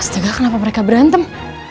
astaga kenapa mereka berantem